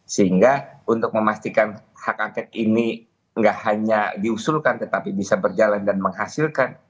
sehingga untuk memastikan hak angket ini tidak hanya diusulkan tetapi bisa berjalan dan menghasilkan